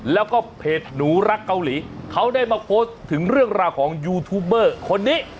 แล้วก็เพจหนูรักเกาหลีเขาได้มาโพสต์ถึงเรื่องราวของยูทูบเบอร์คนนี้